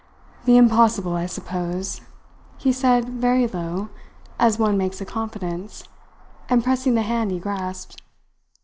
"The impossible, I suppose," he said very low, as one makes a confidence, and pressing the hand he grasped.